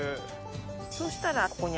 そうしたらここに。